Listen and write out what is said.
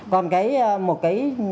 còn cái một cái